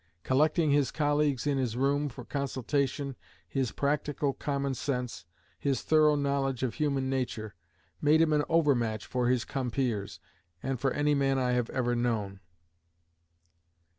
Collecting his colleagues in his room for consultation, his practical common sense, his thorough knowledge of human nature, made him an overmatch for his compeers, and for any man I have ever known."